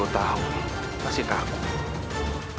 sepuluh tahun masih takut